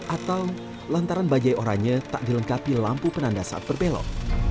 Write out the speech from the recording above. atau lantaran bajai oranye tak dilengkapi lampu penanda saat berbelok